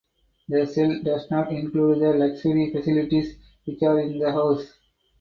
The cell does not include the luxury facilities which are in the house.